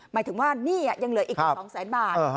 หมายถึงว่าหนี้ยังเหลืออีกกว่า๒๐๐๐๐๐บาท